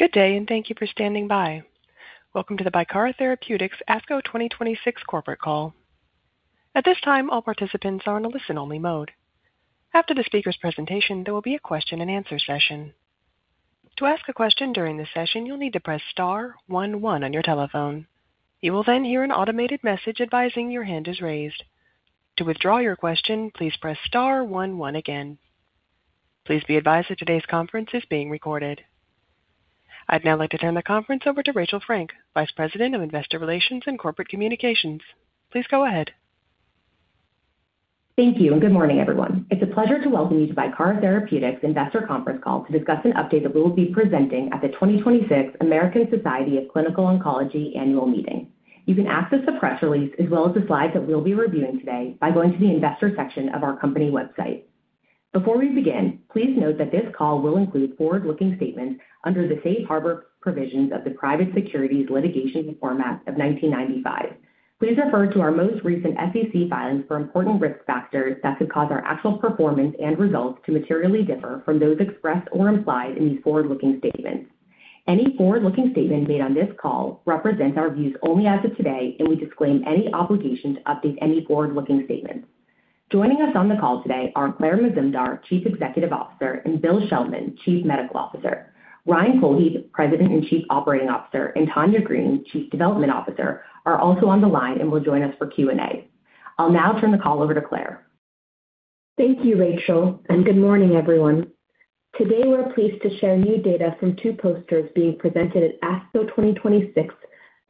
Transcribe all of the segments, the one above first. Good day, and thank you for standing by. Welcome to the Bicara Therapeutics ASCO 2026 corporate call. At this time, all participants are in a listen-only mode. After the speaker's presentation, there will be a question-and-answer session. To ask a question during the session, you'll need to press star one one on your telephone. You will then hear an automated message advising your hand is raised. To withdraw your question, please press star one one again. Please be advised that today's conference is being recorded. I'd now like to turn the conference over to Rachel Frank, Vice President of Investor Relations and Corporate Communications. Please go ahead. Thank you. Good morning, everyone. It's a pleasure to welcome you to Bicara Therapeutics Investor Conference Call to discuss an update that we will be presenting at the 2026 American Society of Clinical Oncology annual meeting. You can access the press release, as well as the slides that we'll be reviewing today, by going to the investor section of our company website. Before we begin, please note that this call will include forward-looking statements under the Safe Harbor provisions of the Private Securities Litigation Reform Act of 1995. Please refer to our most recent SEC filings for important risk factors that could cause our actual performance and results to materially differ from those expressed or implied in these forward-looking statements. Any forward-looking statement made on this call represents our views only as of today, and we disclaim any obligation to update any forward-looking statements. Joining us on the call today are Claire Mazumdar, Chief Executive Officer, and Bill Schelman, Chief Medical Officer. Ryan Cohlhepp, President and Chief Operating Officer, and Tanya Green, Chief Development Officer, are also on the line and will join us for Q&A. I'll now turn the call over to Claire. Thank you, Rachel, and good morning, everyone. Today, we're pleased to share new data from twoposters being presented at ASCO 2026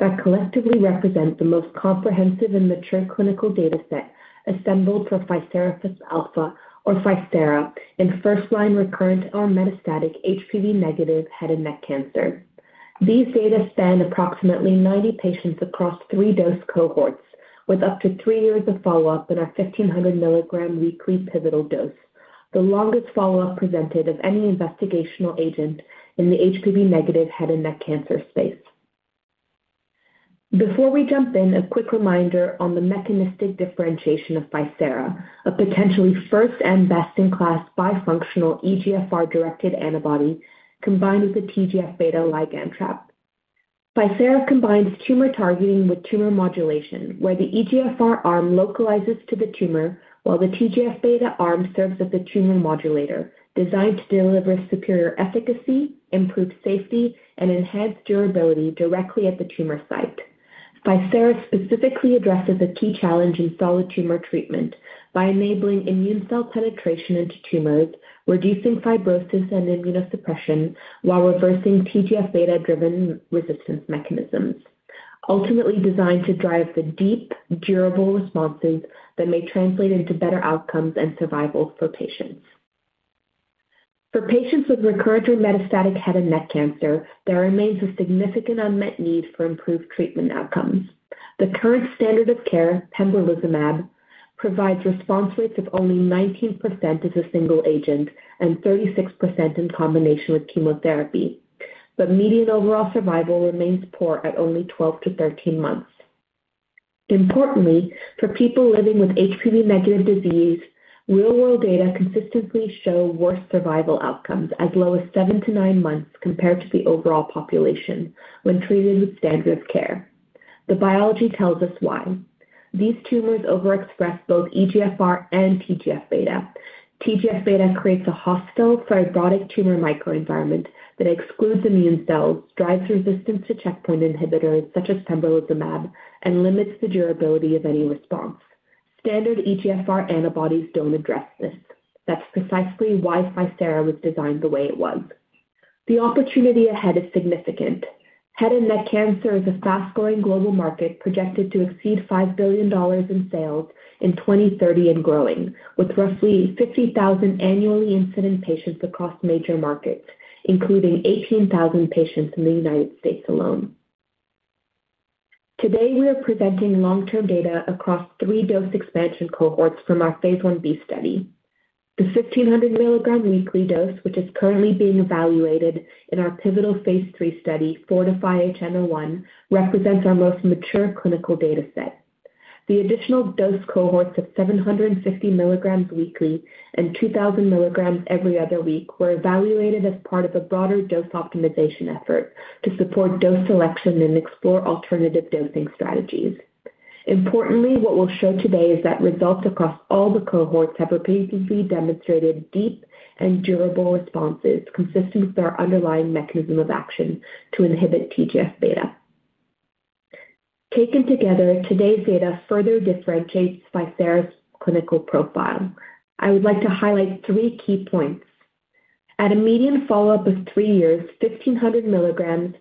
that collectively represent the most comprehensive and mature clinical data set assembled for Ficerafusp Alfa, or Ficera, in first-line recurrent or metastatic HPV-negative head and neck cancer. These data span approximately 90 patients across three dose cohorts, with up to three years of follow-up at our 1,500 mg weekly pivotal dose, the longest follow-up presented of any investigational agent in the HPV-negative head and neck cancer space. Before we jump in, a quick reminder on the mechanistic differentiation of Ficera, a potentially first and best-in-class bifunctional EGFR-directed antibody combined with a TGF-beta ligand trap. Ficera combines tumor targeting with tumor modulation, where the EGFR arm localizes to the tumor, while the TGF-beta arm serves as the tumor modulator, designed to deliver superior efficacy, improve safety, and enhance durability directly at the tumor site. Ficera specifically addresses a key challenge in solid tumor treatment by enabling immune cell penetration into tumors, reducing fibrosis and immunosuppression, while reversing TGF-beta-driven resistance mechanisms. Ultimately designed to drive the deep, durable responses that may translate into better outcomes and survival for patients. For patients with recurrent or metastatic head and neck cancer, there remains a significant unmet need for improved treatment outcomes. The current standard of care, pembrolizumab, provides response rates of only 19% as a single agent and 36% in combination with chemotherapy, but median overall survival remains poor at only 12-13 months. Importantly, for people living with HPV-negative disease, real-world data consistently show worse survival outcomes, as low as seven to nine months compared to the overall population when treated with standard of care. The biology tells us why. These tumors overexpress both EGFR and TGF-beta. TGF-beta creates a hostile fibrotic tumor microenvironment that excludes immune cells, drives resistance to checkpoint inhibitors such as pembrolizumab, and limits the durability of any response. Standard EGFR antibodies don't address this. That's precisely why Ficera was designed the way it was. The opportunity ahead is significant. Head and neck cancer is a fast-growing global market projected to exceed $5 billion in sales in 2030 and growing, with roughly 50,000 annually incident patients across major markets, including 18,000 patients in the United States alone. Today, we are presenting long-term data across three dose expansion cohorts from our phase I-B study. The 1,500 mg weekly dose, which is currently being evaluated in our pivotal phase III study, FORTIFY-HN01, represents our most mature clinical data set. The additional dose cohorts of 750 mg weekly and 2,000 mg every other week were evaluated as part of a broader dose optimization effort to support dose selection and explore alternative dosing strategies. Importantly, what we'll show today is that results across all the cohorts have repeatedly demonstrated deep and durable responses consistent with our underlying mechanism of action to inhibit TGF-beta. Taken together, today's data further differentiates Bicara's clinical profile. I would like to highlight three key points. At a median follow-up of three years, 1,500 mg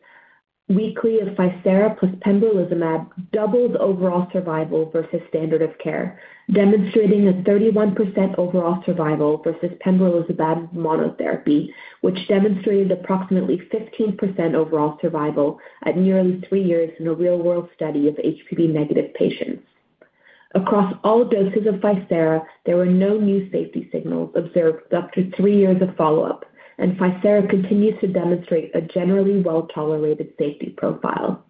weekly of Ficera plus pembrolizumab doubled overall survival versus standard of care, demonstrating a 31% overall survival versus pembrolizumab monotherapy, which demonstrated approximately 15% overall survival at nearly three years in a real-world study of HPV-negative patients. Across all doses of Ficera, there were no new safety signals observed up to three years of follow-up, and Ficera continues to demonstrate a generally well-tolerated safety profile.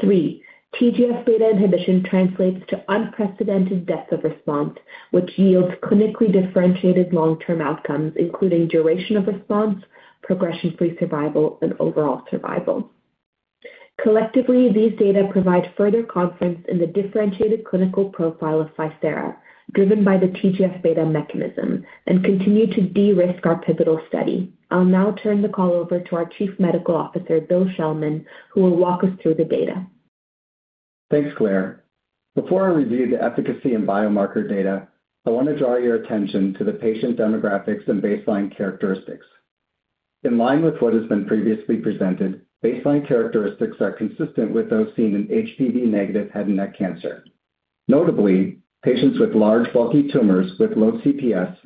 Three, TGF-beta inhibition translates to unprecedented depth of response, which yields clinically differentiated long-term outcomes, including duration of response, progression-free survival, and overall survival. Collectively, these data provide further confidence in the differentiated clinical profile of Ficera, driven by the TGF-beta mechanism, and continue to de-risk our pivotal study. I'll now turn the call over to our Chief Medical Officer, Bill Schelman, who will walk us through the data. Thanks, Claire. Before I review the efficacy and biomarker data, I want to draw your attention to the patient demographics and baseline characteristics. In line with what has been previously presented, baseline characteristics are consistent with those seen in HPV-negative head and neck cancer. Notably, patients with large bulky tumors with low CPS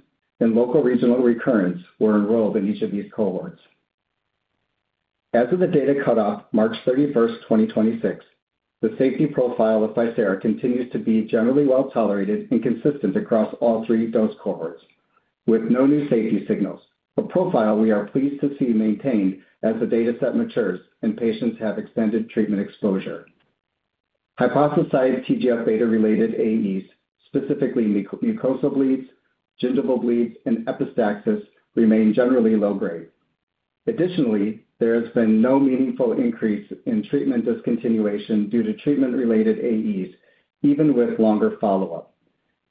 and local regional recurrence were enrolled in each of these cohorts. As of the data cutoff, March 31st, 2026, the safety profile of Ficera continues to be generally well-tolerated and consistent across all three dose cohorts, with no new safety signals. A profile we are pleased to see maintained as the data set matures and patients have extended treatment exposure. Hypothesized TGF-beta related AEs, specifically mucosal bleeds, gingival bleeds, and epistaxis, remain generally low grade. There has been no meaningful increase in treatment discontinuation due to treatment-related AEs, even with longer follow-up.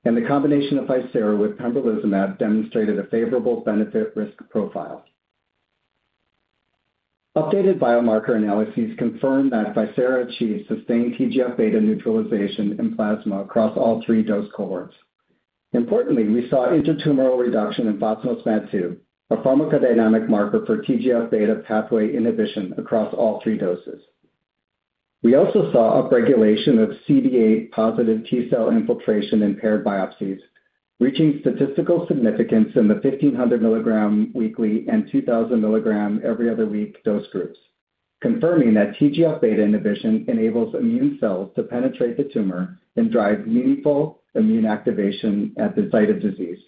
The combination of Ficera with pembrolizumab demonstrated a favorable benefit-risk profile. Updated biomarker analyses confirm that Ficera achieves sustained TGF-beta neutralization in plasma across all three dose cohorts. Importantly, we saw intra-tumoral reduction in phospho-Smad2, a pharmacodynamic marker for TGF-beta pathway inhibition across all three doses. We also saw upregulation of CD8-positive T cell infiltration in paired biopsies, reaching statistical significance in the 1,500 mg weekly and 2,000 mg every other week dose groups, confirming that TGF-beta inhibition enables immune cells to penetrate the tumor and drive meaningful immune activation at the site of disease.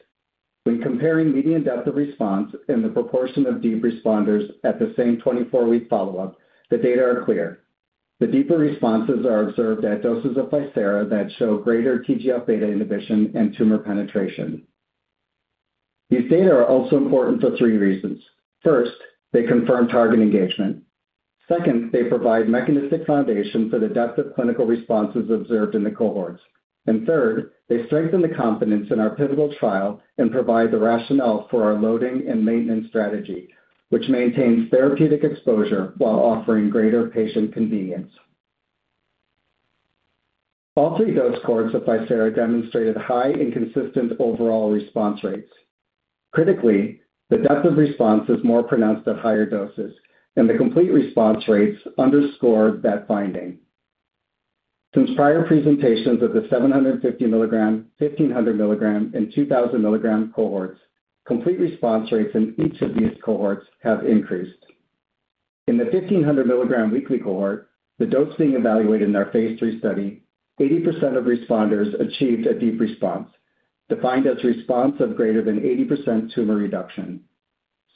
When comparing median depth of response and the proportion of deep responders at the same 24-week follow-up, the data are clear. The deeper responses are observed at doses of Ficera that show greater TGF-beta inhibition and tumor penetration. These data are also important for three reasons. First, they confirm target engagement. Second, they provide mechanistic foundation for the depth of clinical responses observed in the cohorts. Third, they strengthen the confidence in our pivotal trial and provide the rationale for our loading and maintenance strategy, which maintains therapeutic exposure while offering greater patient convenience. All three dose cohorts of Ficera demonstrated high and consistent overall response rates. Critically, the depth of response is more pronounced at higher doses, and the complete response rates underscore that finding. Since prior presentations of the 750 mg, 1,500 mg, and 2,000 mg cohorts, complete response rates in each of these cohorts have increased. In the 1,500 mg weekly cohort, the dose being evaluated in our phase III study, 80% of responders achieved a deep response, defined as response of greater than 80% tumor reduction.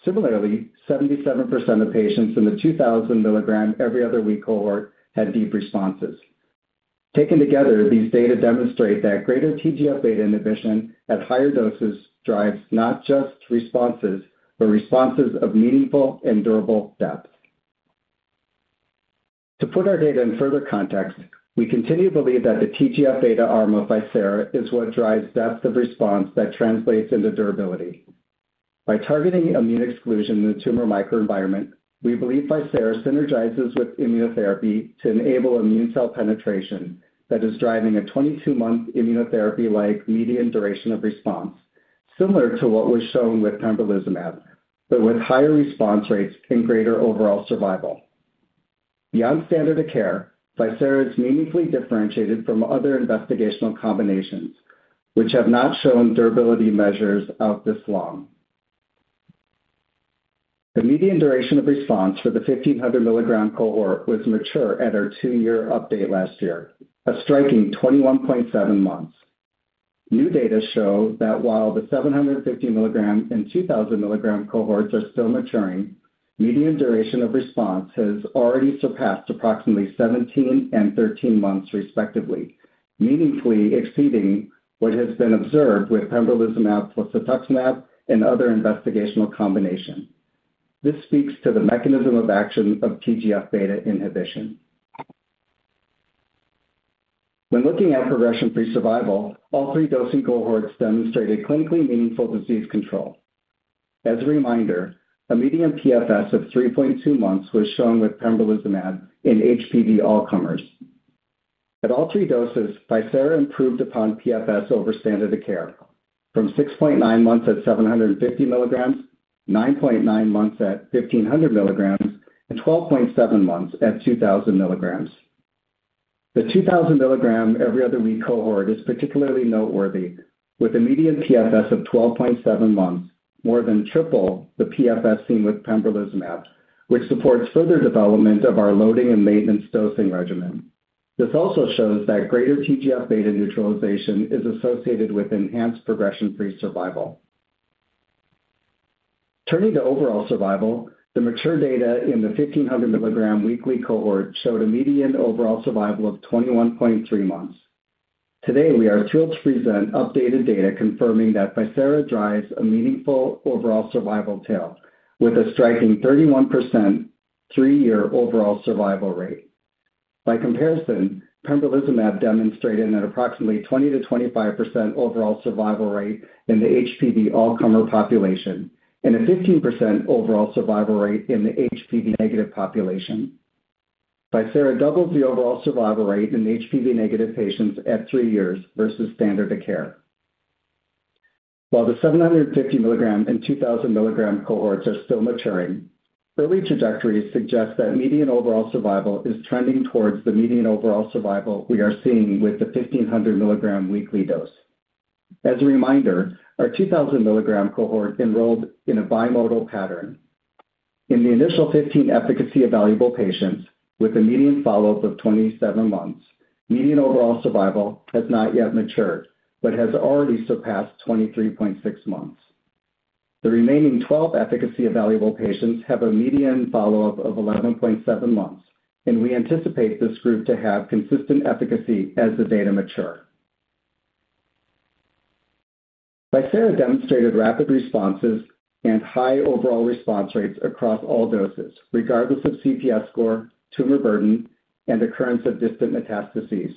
Similarly, 77% of patients in the 2,000 mg every other week cohort had deep responses. Taken together, these data demonstrate that greater TGF-beta inhibition at higher doses drives not just responses, but responses of meaningful and durable depth. To put our data in further context, we continue to believe that the TGF-beta arm of Ficera is what drives depth of response that translates into durability. By targeting immune exclusion in the tumor microenvironment, we believe Ficera synergizes with immunotherapy to enable immune cell penetration that is driving a 22-month immunotherapy-like median duration of response, similar to what was shown with pembrolizumab, but with higher response rates and greater overall survival. Beyond standard of care, Ficera is meaningfully differentiated from other investigational combinations, which have not shown durability measures out this long. The median duration of response for the 1,500 mg cohort was mature at our two-year update last year, a striking 21.7 months. New data show that while the 750 mg and 2,000 mg cohorts are still maturing, median duration of response has already surpassed approximately 17 and 13 months respectively, meaningfully exceeding what has been observed with pembrolizumab plus cetuximab and other investigational combination. This speaks to the mechanism of action of TGF-beta inhibition. When looking at progression-free survival, all three dosing cohorts demonstrated clinically meaningful disease control. As a reminder, a median PFS of 3.2 months was shown with pembrolizumab in HPV all comers. At all three doses, Ficera improved upon PFS over standard of care from 6.9 months at 750 mg, 9.9 months at 1,500 mg, and 12.7 months at 2,000 mg. The 2,000 mg every other week cohort is particularly noteworthy, with a median PFS of 12.7 months, more than triple the PFS seen with pembrolizumab, which supports further development of our loading and maintenance dosing regimen. This also shows that greater TGF-beta neutralization is associated with enhanced progression-free survival. Turning to overall survival, the mature data in the 1,500 mg weekly cohort showed a median overall survival of 21.3 months. Today, we are thrilled to present updated data confirming that Bicara drives a meaningful overall survival tail with a striking 31% three-year overall survival rate. By comparison, pembrolizumab demonstrated an approximately 20%-25% overall survival rate in the HPV all-comer population and a 15% overall survival rate in the HPV-negative population. Bicara doubles the overall survival rate in HPV-negative patients at three years versus standard of care. While the 750 mg and 2,000 mg cohorts are still maturing, early trajectories suggest that median overall survival is trending towards the median overall survival we are seeing with the 1,500 mg weekly dose. As a reminder, our 2,000 mg cohort enrolled in a bimodal pattern. In the initial 15 efficacy-evaluable patients, with a median follow-up of 27 months, median overall survival has not yet matured but has already surpassed 23.6 months. The remaining 12 efficacy-evaluable patients have a median follow-up of 11.7 months, and we anticipate this group to have consistent efficacy as the data mature. Ficera demonstrated rapid responses and high overall response rates across all doses, regardless of CPS score, tumor burden, and occurrence of distant metastases.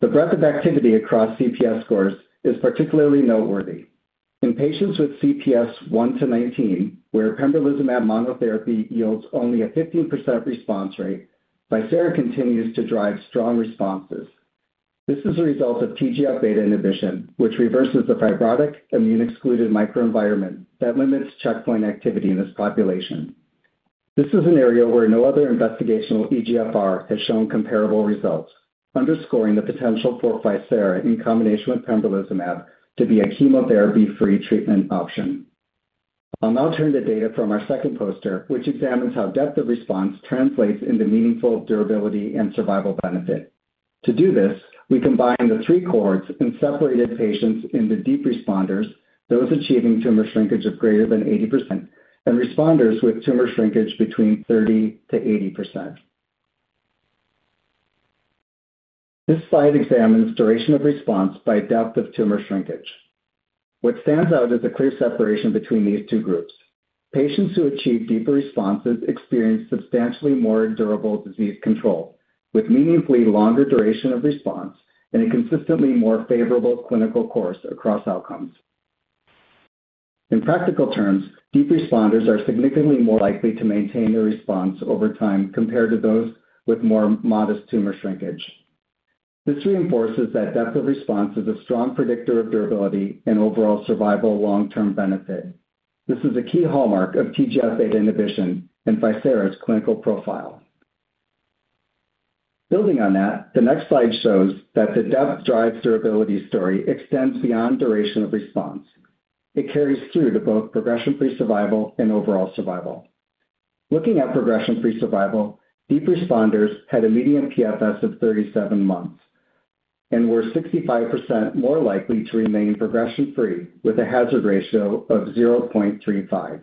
The breadth of activity across CPS scores is particularly noteworthy. In patients with CPS 1-19, where pembrolizumab monotherapy yields only a 15% response rate, Ficera continues to drive strong responses. This is a result of TGF-beta inhibition, which reverses the fibrotic immune-excluded microenvironment that limits checkpoint activity in this population. This is an area where no other investigational EGFR has shown comparable results, underscoring the potential for Ficera in combination with pembrolizumab to be a chemotherapy-free treatment option. I'll now turn to data from our second poster, which examines how depth of response translates into meaningful durability and survival benefit. To do this, we combined the three cohorts and separated patients into deep responders, those achieving tumor shrinkage of greater than 80%, and responders with tumor shrinkage between 30%-80%. This slide examines duration of response by depth of tumor shrinkage. What stands out is the clear separation between these two groups. Patients who achieve deeper responses experience substantially more durable disease control with meaningfully longer duration of response and a consistently more favorable clinical course across outcomes. In practical terms, deep responders are significantly more likely to maintain their response over time compared to those with more modest tumor shrinkage. This reinforces that depth of response is a strong predictor of durability and overall survival long-term benefit. This is a key hallmark of TGF-beta inhibition in Ficera's clinical profile. Building on that, the next slide shows that the depth drives durability story extends beyond duration of response. It carries through to both progression-free survival and overall survival. Looking at progression-free survival, deep responders had a median PFS of 37 months and were 65% more likely to remain progression free with a hazard ratio of 0.35%.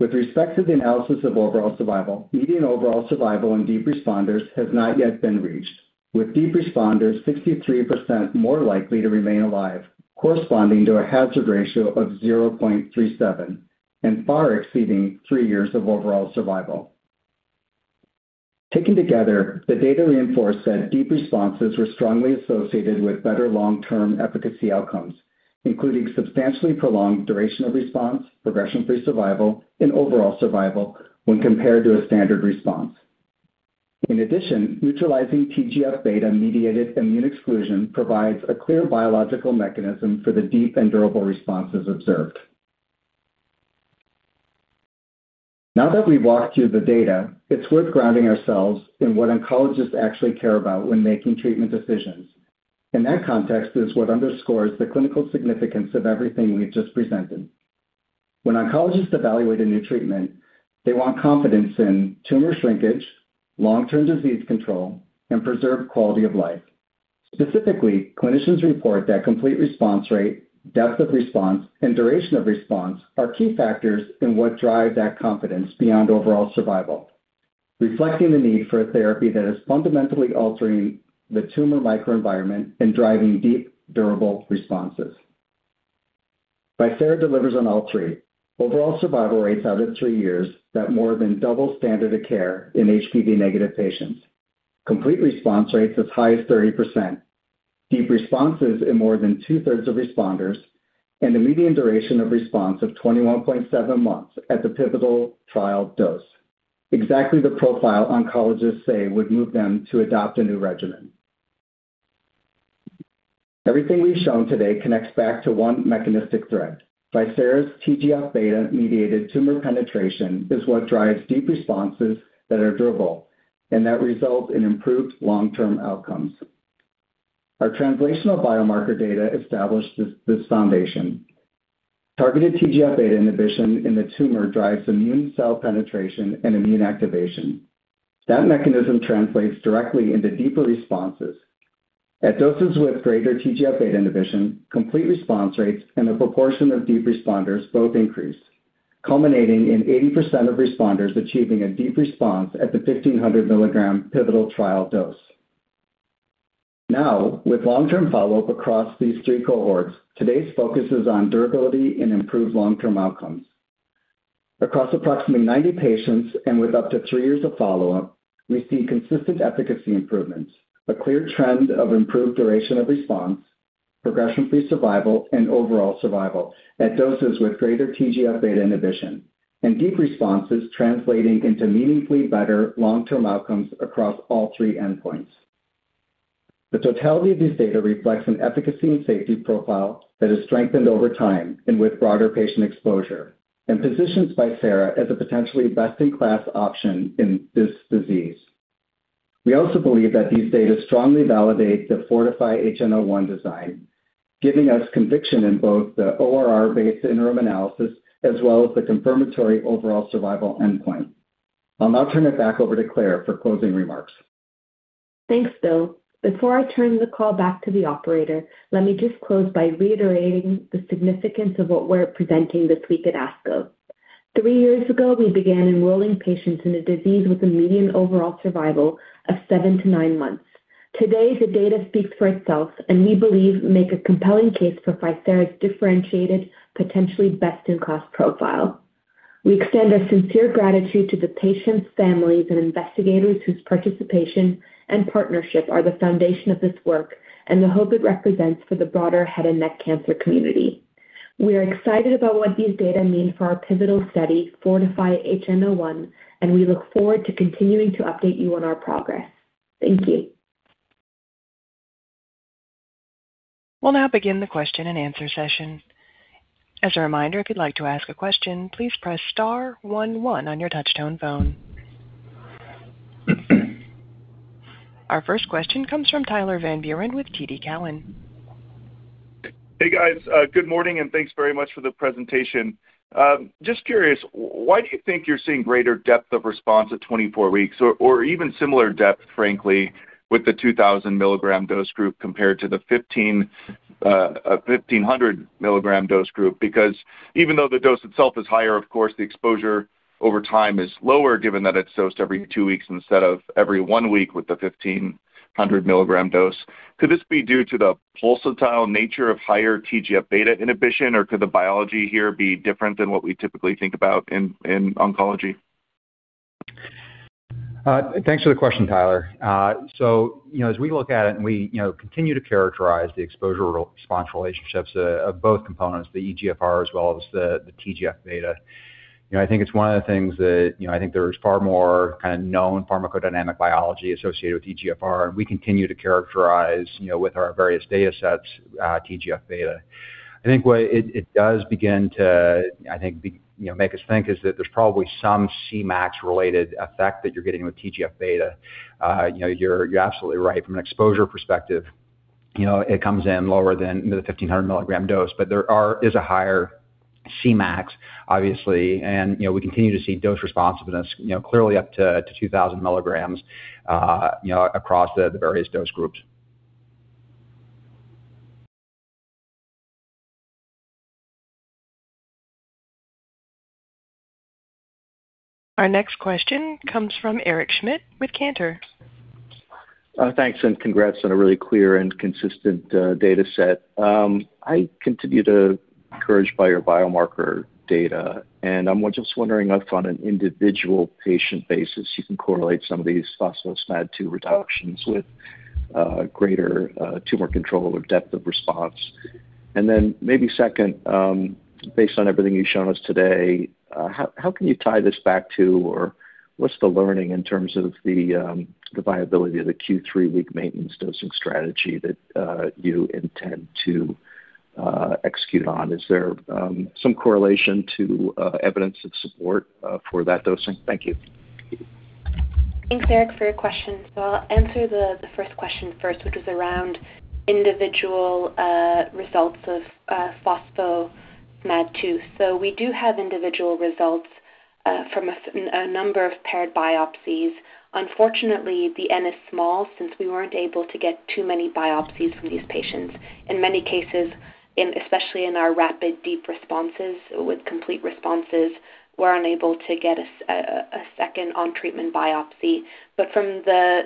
With respect to the analysis of overall survival, median overall survival in deep responders has not yet been reached, with deep responders 63% more likely to remain alive, corresponding to a hazard ratio of 0.37%, and far exceeding three years of overall survival. Taken together, the data reinforce that deep responses were strongly associated with better long-term efficacy outcomes, including substantially prolonged duration of response, progression-free survival, and overall survival when compared to a standard response. In addition, neutralizing TGF-beta mediated immune exclusion provides a clear biological mechanism for the deep and durable responses observed. Now that we've walked through the data, it's worth grounding ourselves in what oncologists actually care about when making treatment decisions, and that context is what underscores the clinical significance of everything we've just presented. When oncologists evaluate a new treatment, they want confidence in tumor shrinkage, long-term disease control, and preserved quality of life. Specifically, clinicians report that complete response rate, depth of response, and duration of response are key factors in what drive that confidence beyond overall survival, reflecting the need for a therapy that is fundamentally altering the tumor microenvironment and driving deep, durable responses. Ficera delivers on all three. Overall survival rates out at three years that more than double standard of care in HPV-negative patients. Complete response rates as high as 30%. Deep responses in more than two-thirds of responders, and a median duration of response of 21.7 months at the pivotal trial dose. Exactly the profile oncologists say would move them to adopt a new regimen. Everything we've shown today connects back to one mechanistic thread. Ficera's TGF-beta mediated tumor penetration is what drives deep responses that are durable and that result in improved long-term outcomes. Our translational biomarker data established this foundation. Targeted TGF-beta inhibition in the tumor drives immune cell penetration and immune activation. That mechanism translates directly into deeper responses. At doses with greater TGF-beta inhibition, complete response rates and the proportion of deep responders both increased, culminating in 80% of responders achieving a deep response at the 1,500 mg pivotal trial dose. Now, with long-term follow-up across these three cohorts, today's focus is on durability and improved long-term outcomes. Across approximately 90 patients and with up to three years of follow-up, we see consistent efficacy improvements, a clear trend of improved duration of response, progression-free survival, and overall survival at doses with greater TGF-beta inhibition, and deep responses translating into meaningfully better long-term outcomes across all three endpoints. The totality of these data reflects an efficacy and safety profile that has strengthened over time and with broader patient exposure, and positions ficara as a potentially best-in-class option in this disease. We also believe that these data strongly validate the FORTIFY-HN01 design, giving us conviction in both the ORR-based interim analysis as well as the confirmatory overall survival endpoint. I'll now turn it back over to Claire for closing remarks. Thanks, Bill. Before I turn the call back to the operator, let me just close by reiterating the significance of what we're presenting this week at ASCO. Three years ago, we began enrolling patients in a disease with a median overall survival of seven to nine months. Today, the data speaks for itself and we believe make a compelling case for Ficera differentiated, potentially best-in-class profile. We extend our sincere gratitude to the patients, families, and investigators whose participation and partnership are the foundation of this work and the hope it represents for the broader head and neck cancer community. We are excited about what these data mean for our pivotal study, FORTIFY-HN01, and we look forward to continuing to update you on our progress. Thank you. We'll now begin the question and answer session. Our first question comes from Tyler Van Buren with TD Cowen. Hey, guys. Good morning, thanks very much for the presentation. Just curious, why do you think you're seeing greater depth of response at 24 weeks or even similar depth, frankly, with the 2,000 mg dose group compared to the 1,500 mg dose group? Even though the dose itself is higher, of course, the exposure over time is lower, given that it's dosed every two weeks instead of every one week with the 1,500 mg dose. Could this be due to the pulsatile nature of higher TGF-beta inhibition? Could the biology here be different than what we typically think about in oncology? Thanks for the question, Tyler. As we look at it and we continue to characterize the exposure-response relationships of both components, the EGFR as well as the TGF-beta, I think it's one of the things that I think there's far more kind of known pharmacodynamic biology associated with EGFR. We continue to characterize, with our various data sets, TGF-beta. I think what it does begin to make us think is that there's probably some Cmax related effect that you're getting with TGF-beta. You're absolutely right. From an exposure perspective, it comes in lower than the 1,500 mg dose, but there is a higher Cmax, obviously. We continue to see dose responsiveness, clearly up to 2,000 mg across the various dose groups. Our next question comes from Eric Schmidt with Cantor. Thanks. Congrats on a really clear and consistent data set. I continue to be encouraged by your biomarker data. I'm just wondering if, on an individual patient basis, you can correlate some of these phospho-Smad2 reductions with greater tumor control or depth of response. Then maybe second, based on everything you've shown us today, how can you tie this back to, or what's the learning in terms of the viability of the Q3 week maintenance dosing strategy that you intend to execute on? Is there some correlation to evidence of support for that dosing? Thank you. Thanks, Eric, for your question. I'll answer the first question first, which is around individual results of phospho-Smad2. We do have individual results from a number of paired biopsies. Unfortunately, the N is small since we weren't able to get too many biopsies from these patients. In many cases, especially in our rapid deep responses with complete responses, we're unable to get a second on-treatment biopsy. From the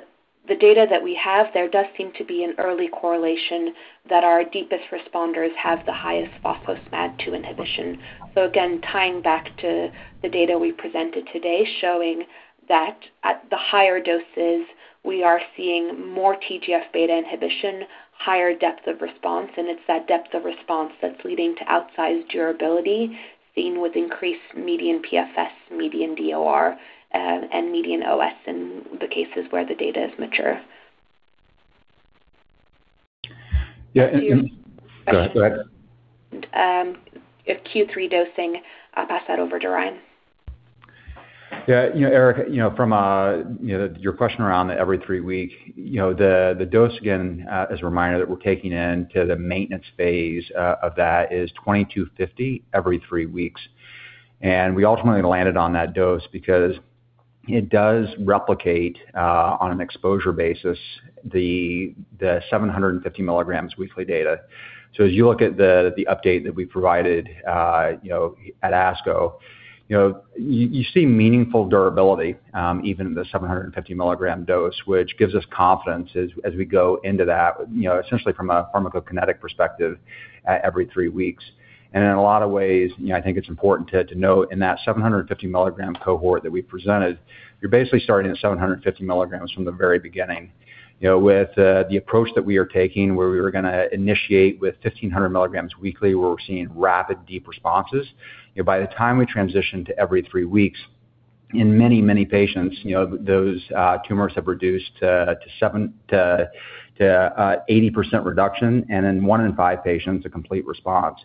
data that we have, there does seem to be an early correlation that our deepest responders have the highest phospho-Smad2 inhibition. Again, tying back to the data we presented today, showing that at the higher doses, we are seeing more TGF-beta inhibition, higher depth of response, and it's that depth of response that's leading to outsized durability seen with increased median PFS, median DOR, and median OS in the cases where the data is mature. Yeah. Go ahead. If Q3 dosing, I'll pass that over to Ryan. Yeah, Eric, from your question around the every three weeks, the dose again, as a reminder, that we're taking into the maintenance phase of that is 2,250 every three weeks. We ultimately landed on that dose because, it does replicate on an exposure basis the 750 mg weekly data. As you look at the update that we provided at ASCO, you see meaningful durability even at the 750 mg dose, which gives us confidence as we go into that, essentially from a pharmacokinetic perspective, every three weeks. In a lot of ways, I think it's important to note in that 750 mg cohort that we presented, you're basically starting at 750 mg from the very beginning. With the approach that we are taking, where we were going to initiate with 1,500 mg weekly, where we're seeing rapid deep responses. By the time we transition to every three weeks, in many, many patients, those tumors have reduced to 80% reduction and in one in five patients, a complete response.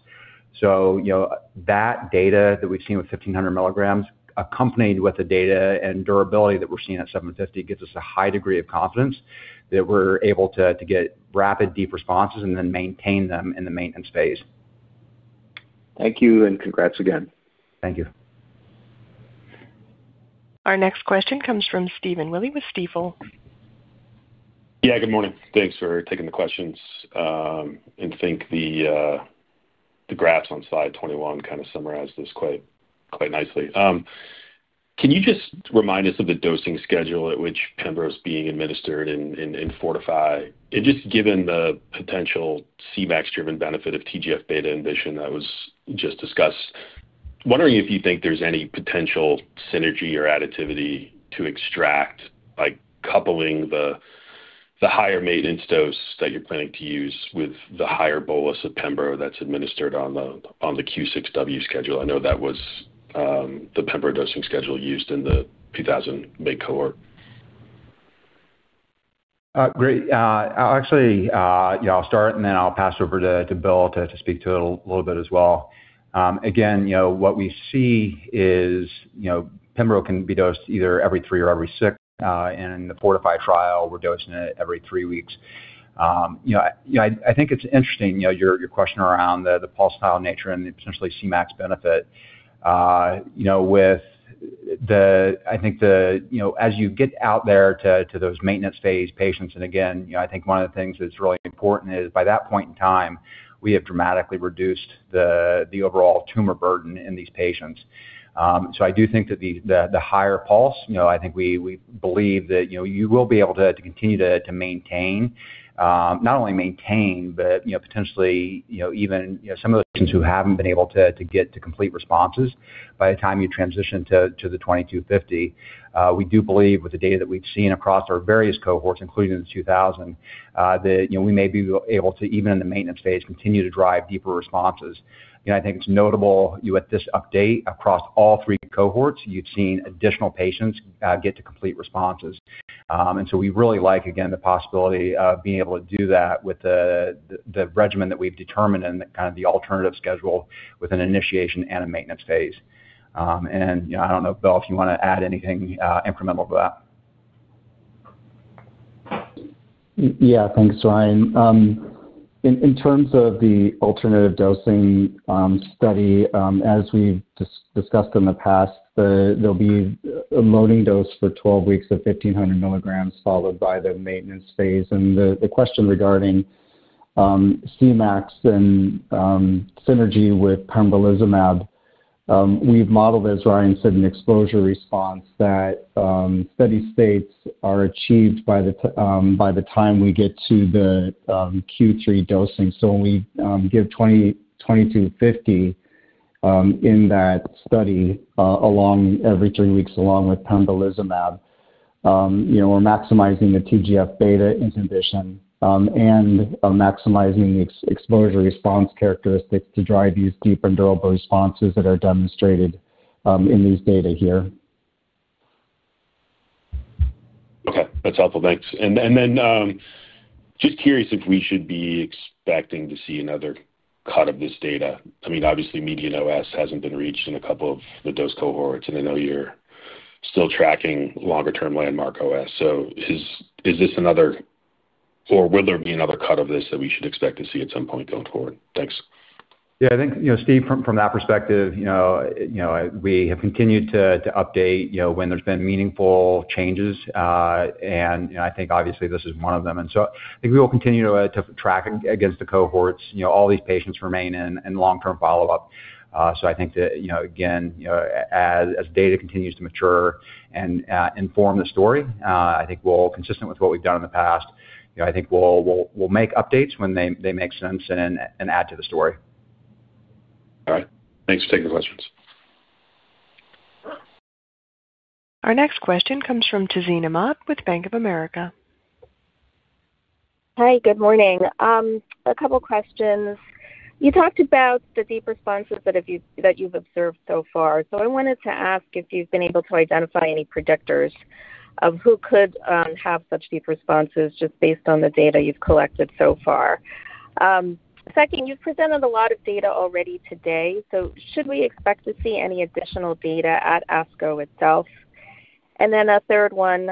That data that we've seen with 1,500 mg accompanied with the data and durability that we're seeing at 750 gives us a high degree of confidence that we're able to get rapid deep responses and then maintain them in the maintenance phase. Thank you and congrats again. Thank you. Our next question comes from Stephen Willey with Stifel. Yeah, good morning. Think the graphs on slide 21 kind of summarize this quite nicely. Can you just remind us of the dosing schedule at which pembro's being administered in FORTIFY? Just given the potential Cmax-driven benefit of TGF-beta inhibition that was just discussed, wondering if you think there's any potential synergy or additivity to extract by coupling the higher maintenance dose that you're planning to use with the higher bolus of pembrolizumab that's administered on the Q6W schedule. I know that was the pembrolizumab dosing schedule used in the 2,000 mg cohort. Great. Actually, I'll start and then I'll pass over to Bill to speak to it a little bit as well. What we see is pembrolizumab can be dosed either every three or every six. In the FORTIFY trial, we're dosing it every three weeks. I think it's interesting, your question around the pulse style nature and potentially Cmax benefit. I think as you get out there to those maintenance phase patients. I think one of the things that's really important is by that point in time, we have dramatically reduced the overall tumor burden in these patients. I do think that the higher pulse, I think we believe that you will be able to continue to maintain, not only maintain, but potentially even some of the patients who haven't been able to get to complete responses by the time you transition to the 2250. We do believe with the data that we've seen across our various cohorts, including in the 2,000, that we may be able to, even in the maintenance phase, continue to drive deeper responses. I think it's notable with this update across all three cohorts, you've seen additional patients get to complete responses. We really like, again, the possibility of being able to do that with the regimen that we've determined and kind of the alternative schedule with an initiation and a maintenance phase. I don't know, Bill, if you want to add anything incremental to that. Yeah. Thanks, Ryan. In terms of the alternative dosing study, as we've discussed in the past, there'll be a loading dose for 12 weeks of 1,500 mg followed by the maintenance phase. The question regarding Cmax and synergy with pembrolizumab, we've modeled, as Ryan said, an exposure response that steady states are achieved by the time we get to the Q3 dosing. We give 2,250 in that study every three weeks along with pembrolizumab. We're maximizing the TGF-beta inhibition and maximizing the exposure-response characteristics to drive these deep and durable responses that are demonstrated in these data here. Okay. That's helpful. Thanks. Just curious if we should be expecting to see another cut of this data. Obviously, median OS hasn't been reached in a couple of the dose cohorts, and I know you're still tracking longer term landmark OS. Is this another, or will there be another cut of this that we should expect to see at some point going forward? Thanks. Yeah. I think, Stephen, from that perspective, we have continued to update when there's been meaningful changes. I think obviously this is one of them. I think we will continue to track against the cohorts. All these patients remain in long-term follow-up. I think that, again, as data continues to mature and inform the story, I think we'll, consistent with what we've done in the past, I think we'll make updates when they make sense and add to the story. All right. Thanks for taking the questions. Our next question comes from Tazeen Ahmad with Bank of America. Hi. Good morning. A couple questions. You talked about the deep responses that you've observed so far. I wanted to ask if you've been able to identify any predictors of who could have such deep responses just based on the data you've collected so far. Second, you've presented a lot of data already today, should we expect to see any additional data at ASCO itself? A third one,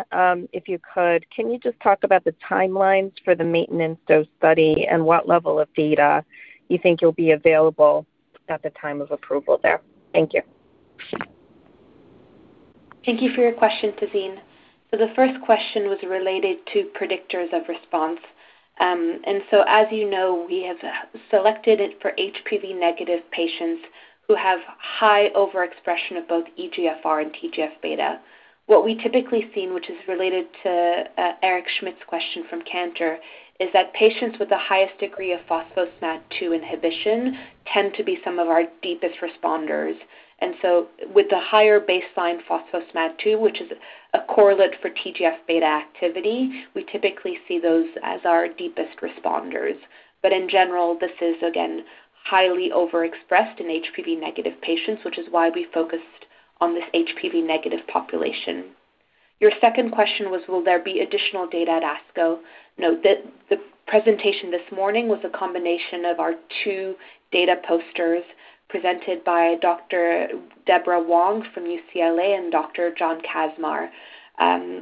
if you could, can you just talk about the timelines for the maintenance dose study and what level of data you think you'll be available. At the time of approval there. Thank you. Thank you for your question, Tazeen. The first question was related to predictors of response. As you know, we have selected it for HPV-negative patients who have high overexpression of both EGFR and TGF-beta. What we typically seen, which is related to Eric Schmidt's question from Cantor, is that patients with the highest degree of phospho-Smad2 inhibition tend to be some of our deepest responders. With the higher baseline phospho-Smad2, which is a correlate for TGF-beta activity, we typically see those as our deepest responders. In general, this is again, highly overexpressed in HPV-negative patients, which is why we focused on this HPV-negative population. Your second question was will there be additional data at ASCO? The presentation this morning was a combination of our two data posters presented by Dr. Deborah Wong from UCLA and Dr. John Kaczmar,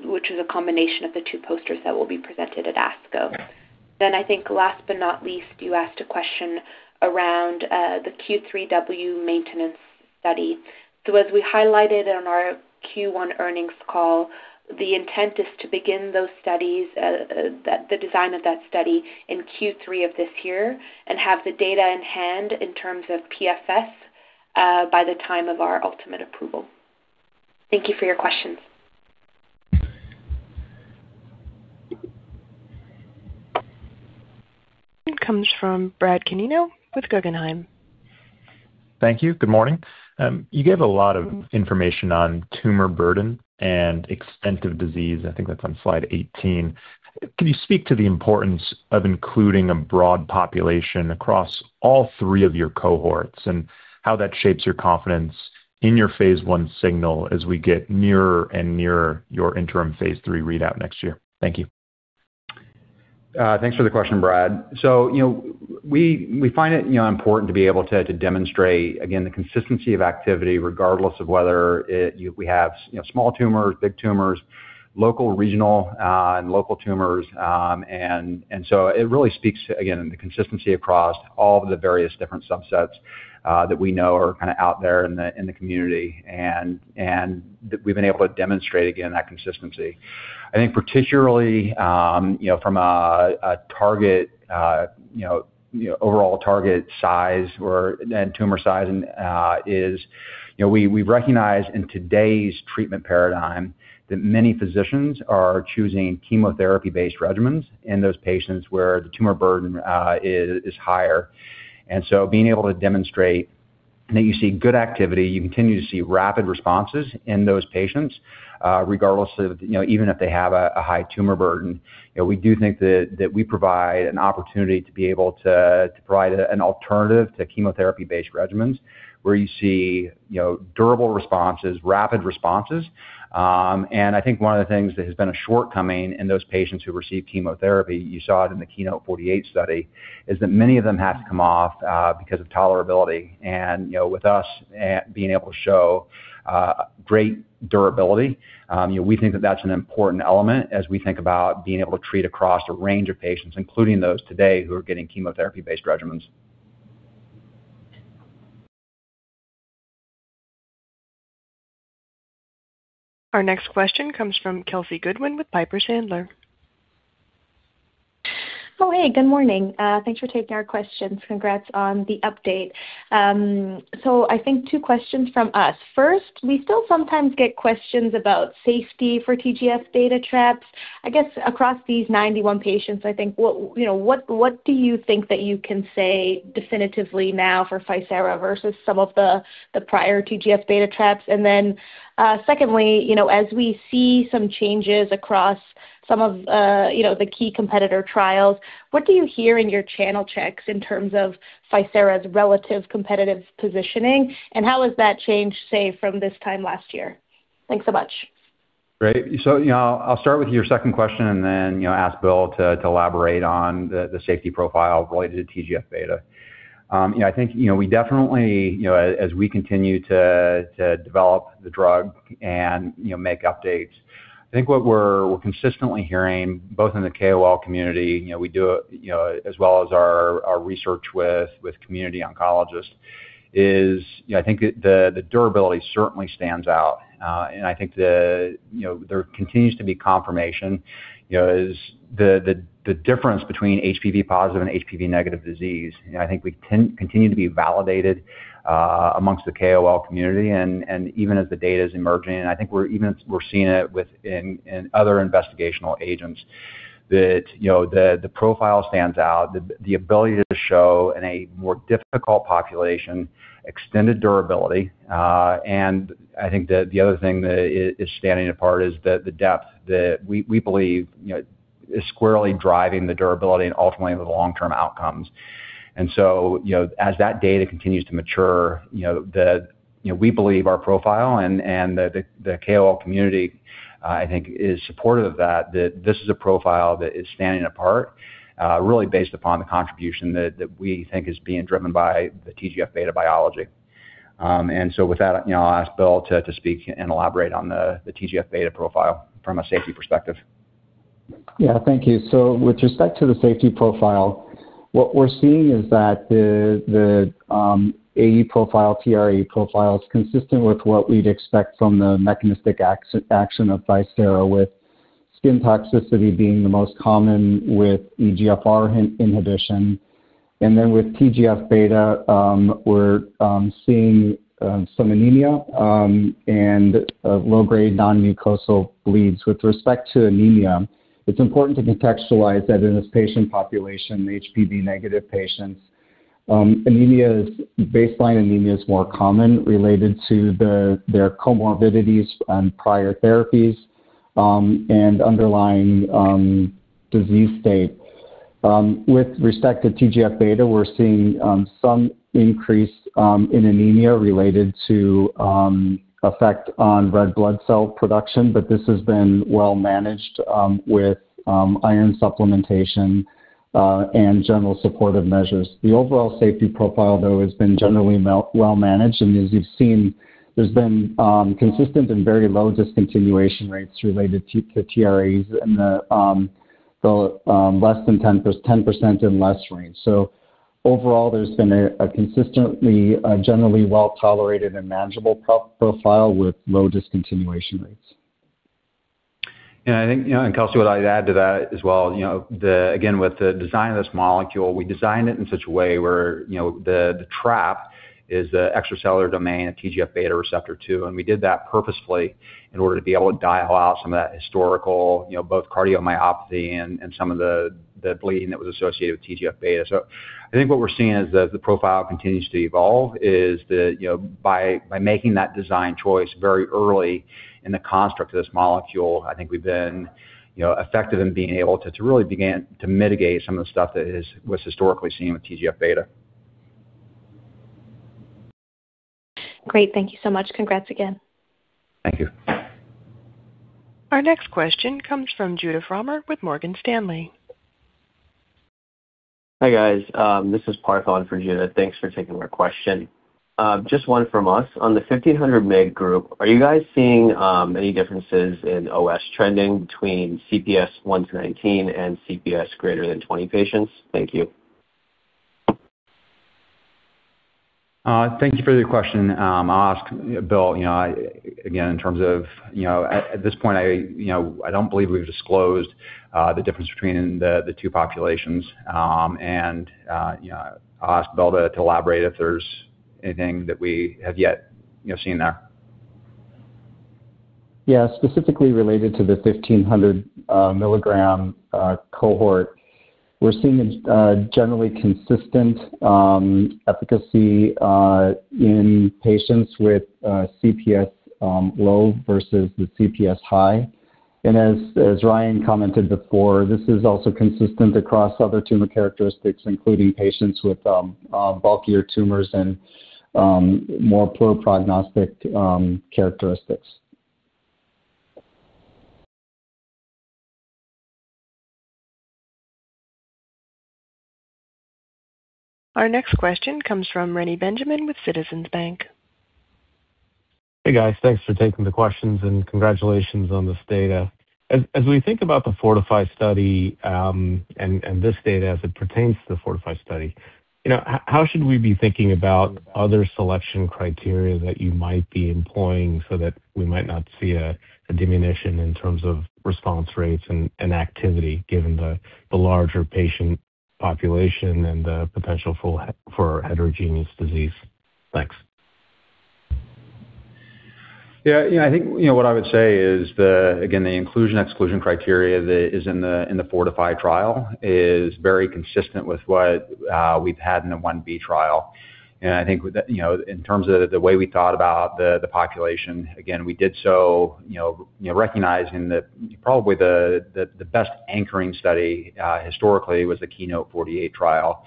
which is a combination of the two posters that will be presented at ASCO. I think last but not least, you asked a question around the Q3W maintenance study. As we highlighted on our Q1 earnings call, the intent is to begin the design of that study in Q3 of this year and have the data in hand in terms of PFS by the time of our ultimate approval. Thank you for your questions. It comes from Brad Canino with Guggenheim. Thank you. Good morning. You gave a lot of information on tumor burden and extensive disease. I think that's on slide 18. Can you speak to the importance of including a broad population across all three of your cohorts and how that shapes your confidence in your phase I signal as we get nearer and nearer your interim phase III readout next year? Thank you. Thanks for the question, Brad. We find it important to be able to demonstrate, again, the consistency of activity regardless of whether we have small tumors, big tumors, locoregional, and local tumors. It really speaks to, again, the consistency across all of the various different subsets that we know are kind of out there in the community. That we've been able to demonstrate, again, that consistency. I think particularly from overall target size or tumor size is, we recognize in today's treatment paradigm that many physicians are choosing chemotherapy-based regimens in those patients where the tumor burden is higher. Being able to demonstrate that you see good activity, you continue to see rapid responses in those patients, regardless of even if they have a high tumor burden. We do think that we provide an opportunity to be able to provide an alternative to chemotherapy-based regimens where you see durable responses, rapid responses. I think one of the things that has been a shortcoming in those patients who receive chemotherapy, you saw it in the KEYNOTE-048 study, is that many of them have to come off because of tolerability. With us being able to show great durability, we think that that's an important element as we think about being able to treat across a range of patients, including those today who are getting chemotherapy-based regimens. Our next question comes from Kelsey Goodwin with Piper Sandler. Oh, hey, good morning. Thanks for taking our questions. Congrats on the update. I think two questions from us. First, we still sometimes get questions about safety for TGF-beta traps. I guess, across these 91 patients, I think, what do you think that you can say definitively now for Ficera versus some of the prior TGF-beta traps? Then, secondly, as we see some changes across some of the key competitor trials, what do you hear in your channel checks in terms of Ficera relative competitive positioning, and how has that changed, say, from this time last year? Thanks so much. Great. I'll start with your second question and then ask Bill to elaborate on the safety profile related to TGF-beta. I think we definitely, as we continue to develop the drug and make updates, I think what we're consistently hearing, both in the KOL community, we do as well as our research with community oncologists is, I think the durability certainly stands out. I think there continues to be confirmation, the difference between HPV-positive and HPV-negative disease. I think we continue to be validated amongst the KOL community and even as the data is emerging, I think we're seeing it within other investigational agents that the profile stands out, the ability to show in a more difficult population, extended durability. I think that the other thing that is standing apart is the depth that we believe is squarely driving the durability and ultimately the long-term outcomes. As that data continues to mature, we believe our profile and the KOL community, I think is supportive of that this is a profile that is standing apart, really based upon the contribution that we think is being driven by the TGF-beta biology. With that, I'll ask Bill to speak and elaborate on the TGF-beta profile from a safety perspective. Thank you. With respect to the safety profile, what we're seeing is that the AE profile, TRAE profile is consistent with what we'd expect from the mechanistic action of Ficera, with skin toxicity being the most common with EGFR inhibition. With TGF-beta, we're seeing some anemia and low-grade non-mucosal bleeds. With respect to anemia, it's important to contextualize that in this patient population, HPV-negative patients, baseline anemia is more common related to their comorbidities and prior therapies, and underlying disease state. With respect to TGF-beta, we're seeing some increase in anemia related to effect on red blood cell production, but this has been well managed with iron supplementation, and general supportive measures. The overall safety profile, though, has been generally well managed, and as you've seen, there's been consistent and very low discontinuation rates related to the TRAEs and the less than 10% and less range. Overall, there's been a consistently, generally well-tolerated and manageable profile with low discontinuation rates. I think, Kelsey, what I'd add to that as well, again, with the design of this molecule, we designed it in such a way where the trap is the extracellular domain of TGF-beta receptor two, and we did that purposefully in order to be able to dial out some of that historical both cardiomyopathy and some of the bleeding that was associated with TGF-beta. I think what we're seeing as the profile continues to evolve is that by making that design choice very early in the construct of this molecule, I think we've been effective in being able to really begin to mitigate some of the stuff that was historically seen with TGF-beta. Great. Thank you so much. Congrats again. Thank you. Our next question comes from Judah Frommer with Morgan Stanley. Hi, guys. This is Parth on for Judah. Thanks for taking my question. Just one from us. On the 1,500 mg group, are you guys seeing any differences in OS trending between CPS 1-19 and CPS greater than 20 patients? Thank you. Thank you for your question. I'll ask Bill. Again, at this point, I don't believe we've disclosed the difference between the two populations. I'll ask Bill to elaborate if there's anything that we have yet seen there. Yeah. Specifically related to the 1,500-mg cohort, we're seeing a generally consistent efficacy in patients with CPS low versus the CPS high. As Ryan commented before, this is also consistent across other tumor characteristics, including patients with bulkier tumors and more poor prognostic characteristics. Our next question comes from Reni Benjamin with Citizens Bank. Hey, guys. Thanks for taking the questions and congratulations on this data. As we think about the FORTIFY study, and this data as it pertains to the FORTIFY study, how should we be thinking about other selection criteria that you might be employing so that we might not see a diminution in terms of response rates and activity, given the larger patient population and the potential for heterogeneous disease? Thanks. Yeah. I think what I would say is, again, the inclusion/exclusion criteria that is in the FORTIFY trial is very consistent with what we've had in the phase I-B trial. I think in terms of the way we thought about the population, again, we did so recognizing that probably the best anchoring study historically was the KEYNOTE-048 trial.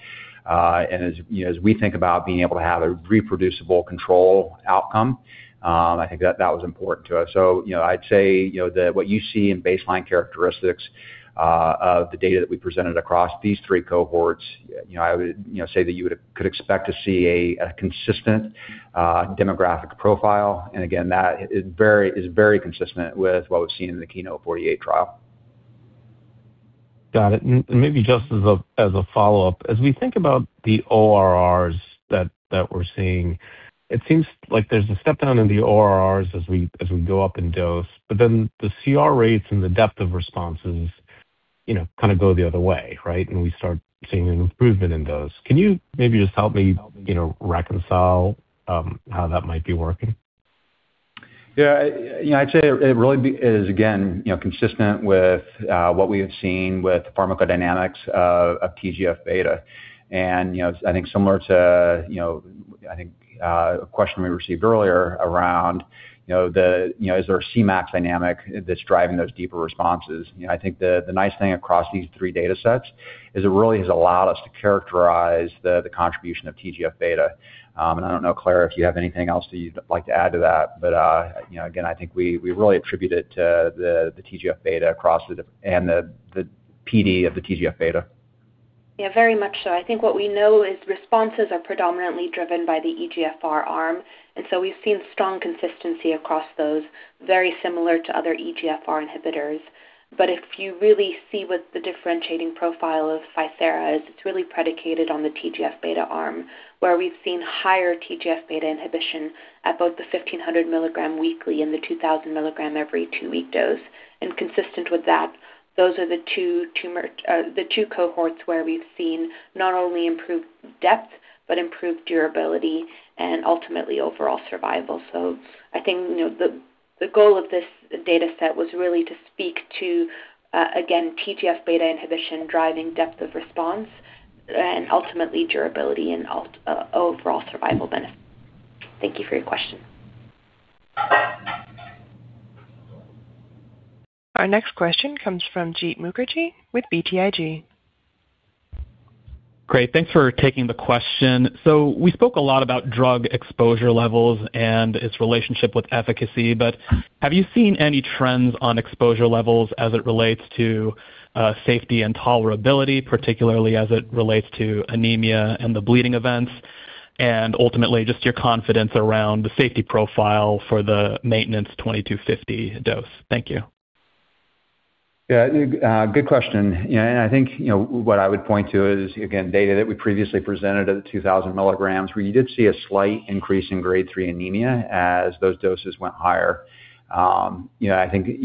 As we think about being able to have a reproducible control outcome, I think that was important to us. I'd say that what you see in baseline characteristics of the data that we presented across these three cohorts, I would say that you could expect to see a consistent demographic profile. Again, that is very consistent with what we've seen in the KEYNOTE-048 trial. Got it. Maybe just as a follow-up, as we think about the ORRs that we're seeing, it seems like there's a step down in the ORRs as we go up in dose, but then the CR rates and the depth of responses kind of go the other way, right? We start seeing an improvement in those. Can you maybe just help me reconcile how that might be working? Yeah. I'd say it really is, again, consistent with what we have seen with the pharmacodynamics of TGF beta. I think similar to a question we received earlier around, is there a Cmax dynamic that's driving those deeper responses. I think the nice thing across these three data sets is it really has allowed us to characterize the contribution of TGF beta. I don't know, Claire, if you have anything else that you'd like to add to that. Again, I think we really attribute it to the TGF beta across and the PD of the TGF beta. Yeah, very much so. I think what we know is responses are predominantly driven by the EGFR arm. We've seen strong consistency across those, very similar to other EGFR inhibitors. If you really see what the differentiating profile of Ficera is, it's really predicated on the TGF-beta arm, where we've seen higher TGF-beta inhibition at both the 1,500 mg weekly and the 2,000 mg every two-week dose. Consistent with that, those are the two cohorts where we've seen not only improved depth but improved durability and ultimately overall survival. I think the goal of this data set was really to speak to, again, TGF-beta inhibition driving depth of response and ultimately durability and overall survival benefit. Thank you for your question. Our next question comes from Jeet Mukherjee with BTIG. Great. Thanks for taking the question. We spoke a lot about drug exposure levels and its relationship with efficacy, but have you seen any trends on exposure levels as it relates to safety and tolerability, particularly as it relates to anemia and the bleeding events? Ultimately, just your confidence around the safety profile for the maintenance 2,250 dose? Thank you. Yeah. Good question. I think what I would point to is, again, data that we previously presented at the 2,000 mg where you did see a slight increase in Grade 3 anemia as those doses went higher. I think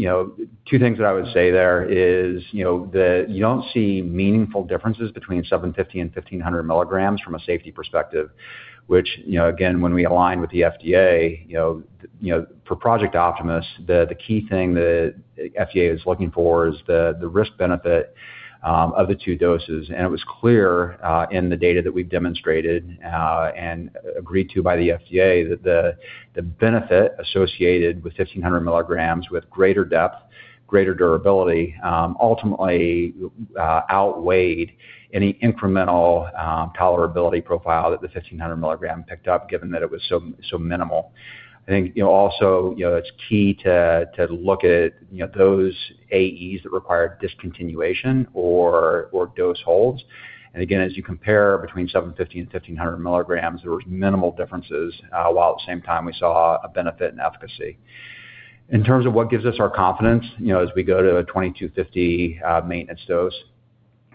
two things that I would say there is that you don't see meaningful differences between 750 and 1,500 mg from a safety perspective, which, again, when we align with the FDA for Project Optimus, the key thing the FDA is looking for is the risk-benefit of the two doses. It was clear in the data that we've demonstrated and agreed to by the FDA that the benefit associated with 1,500 mg with greater depth, greater durability, ultimately outweighed any incremental tolerability profile that the 1,500 mg picked up, given that it was so minimal. I think also it's key to look at those AEs that required discontinuation or dose holds. Again, as you compare between 750 and 1,500 mg, there was minimal differences, while at the same time we saw a benefit in efficacy. In terms of what gives us our confidence as we go to a 2,250 maintenance dose,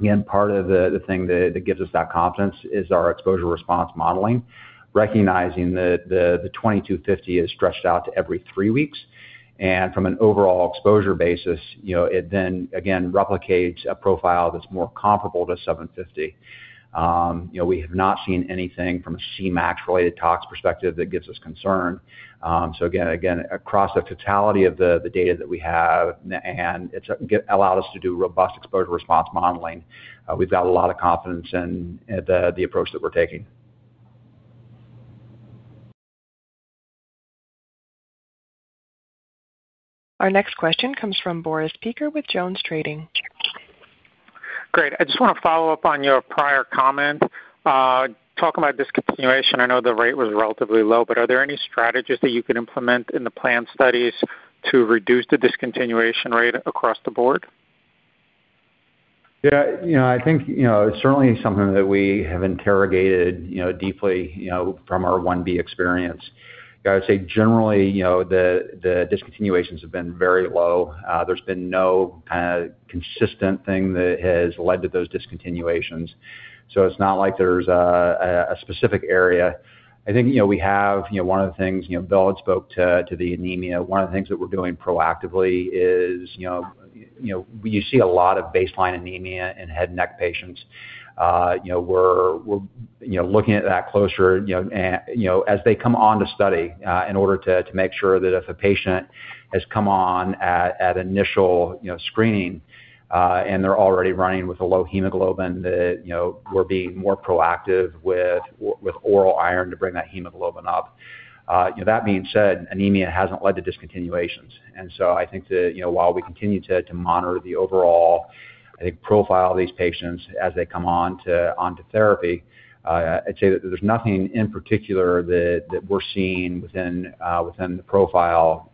again, part of the thing that gives us that confidence is our exposure-response modeling, recognizing that the 2,250 is stretched out to every three weeks. From an overall exposure basis, it then again replicates a profile that's more comparable to 750. We have not seen anything from a Cmax-related tox perspective that gives us concern. Again, across the totality of the data that we have, it's allowed us to do robust exposure-response modeling. We've got a lot of confidence in the approach that we're taking. Our next question comes from Boris Peaker with Jones Trading. Great. I just want to follow up on your prior comment. Talking about discontinuation, I know the rate was relatively low, are there any strategies that you could implement in the planned studies to reduce the discontinuation rate across the board? Yeah. I think it's certainly something that we have interrogated deeply from our phase I-B experience. I would say generally, the discontinuations have been very low. There's been no consistent thing that has led to those discontinuations, so it's not like there's a specific area. One of the things, Bill Schelman spoke to the anemia. One of the things that we're doing proactively is you see a lot of baseline anemia in head and neck patients. We're looking at that closer as they come on to study in order to make sure that if a patient has come on at initial screening and they're already running with a low hemoglobin, that we're being more proactive with oral iron to bring that hemoglobin up. That being said, anemia hasn't led to discontinuations, and so I think that while we continue to monitor the overall profile of these patients as they come onto therapy, I'd say that there's nothing in particular that we're seeing within the profile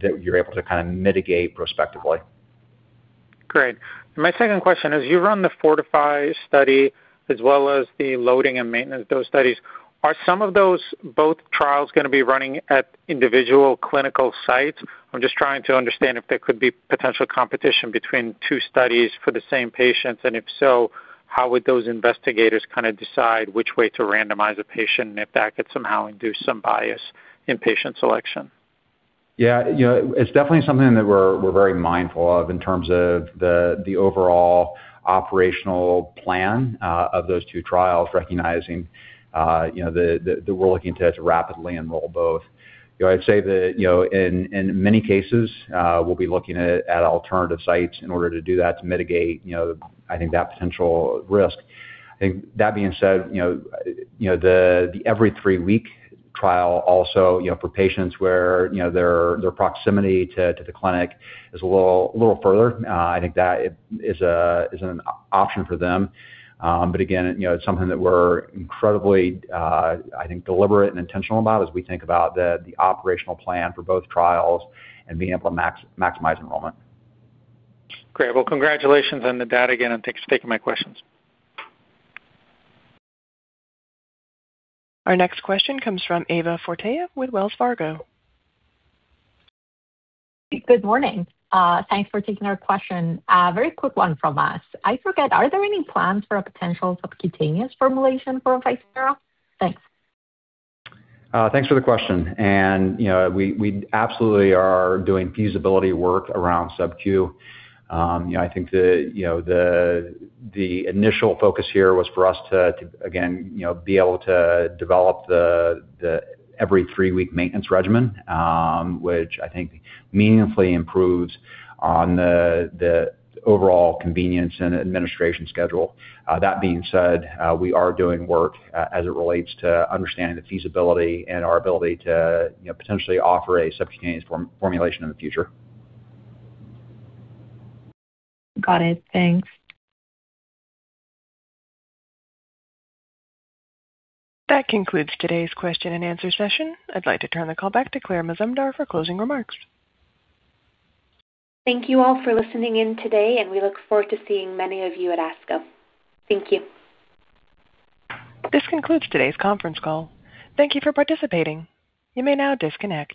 that you're able to kind of mitigate prospectively. Great. My second question is you run the FORTIFY study as well as the loading and maintenance dose studies. Are some of those both trials going to be running at individual clinical sites? I'm just trying to understand if there could be potential competition between two studies for the same patients, and if so, how would those investigators kind of decide which way to randomize a patient, and if that could somehow induce some bias in patient selection? Yeah. It's definitely something that we're very mindful of in terms of the overall operational plan of those two trials, recognizing that we're looking to rapidly enroll both. I'd say that in many cases, we'll be looking at alternative sites in order to do that to mitigate that potential risk. I think that being said, the every three-week trial also for patients where their proximity to the clinic is a little further, I think that is an option for them. Again, it's something that we're incredibly deliberate and intentional about as we think about the operational plan for both trials and being able to maximize enrollment. Great. Well, congratulations on the data again, and thanks for taking my questions. Our next question comes from Eva Fortea with Wells Fargo. Good morning. Thanks for taking our question. A very quick one from us. I forget, are there any plans for a potential subcutaneous formulation for Ficera? Thanks. Thanks for the question. We absolutely are doing feasibility work around sub-Q. I think the initial focus here was for us to, again, be able to develop the every three-week maintenance regimen, which I think meaningfully improves on the overall convenience and administration schedule. That being said, we are doing work as it relates to understanding the feasibility and our ability to potentially offer a subcutaneous formulation in the future. Got it. Thanks. That concludes today's question and answer session. I'd like to turn the call back to Claire Mazumdar for closing remarks. Thank you all for listening in today, and we look forward to seeing many of you at ASCO. Thank you. This concludes today's conference call. Thank you for participating. You may now disconnect.